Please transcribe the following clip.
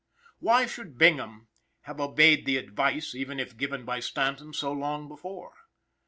Why should Bingham have obeyed the "advice," even if given by Stanton so long before?